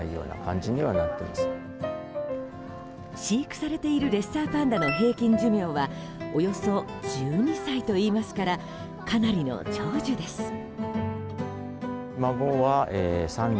飼育されているレッサーパンダの平均寿命はおよそ１２歳といいますからかなりの長寿です。